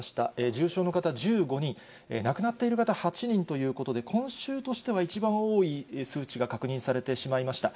重症の方１５人、亡くなっている方８人ということで、今週としては一番多い数値が確認されてしまいました。